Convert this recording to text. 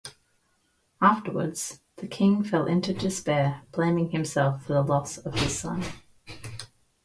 Afterwards, the King fell into despair, blaming himself for the loss of his son.